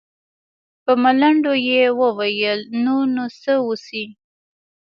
په ملنډو يې وويل نور نو څه وسي.